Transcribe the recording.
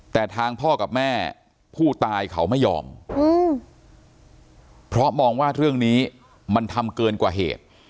แต่ทางพ่อกับแม่ผู้ตายเขาไม่ยอมเพราะมองว่าเรื่องนี้มันทำเกินกว่าเหตุ